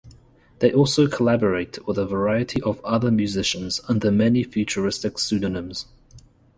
They also collaborate with a variety of other musicians under many futuristic pseudonyms.